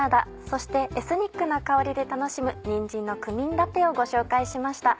そしてエスニックな香りで楽しむ「にんじんのクミンラペ」をご紹介しました